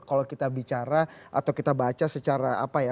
kalau kita bicara atau kita baca secara apa ya